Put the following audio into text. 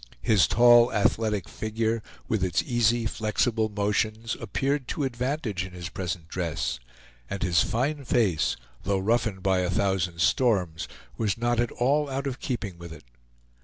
His tall athletic figure, with its easy flexible motions, appeared to advantage in his present dress; and his fine face, though roughened by a thousand storms, was not at all out of keeping with it.